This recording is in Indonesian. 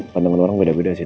pandangan orang beda beda sih